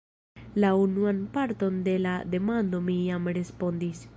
La unuan parton de la demando mi jam respondis.